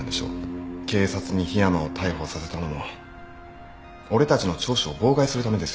警察に樋山を逮捕させたのも俺たちの聴取を妨害するためですよね。